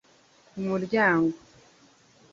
ku muryango